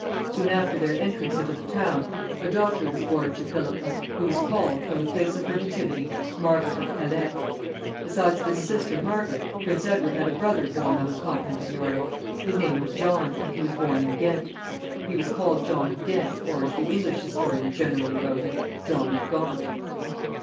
Soon after their entrance into the town a daughter was born to Philippa, who was called, from the place of her nativity, Margaret of Calais. Besides this sister Margaret, Prince Edward had a brother born on the Continent of Europe. His name was John, and he was born in Ghent. He was called John of Ghent, or, as the English historians generally wrote it, John of Gaunt.